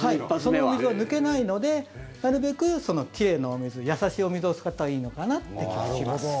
そのお水は抜けないのでなるべく奇麗なお水優しいお水を使ったほうがいいのかなって気はします。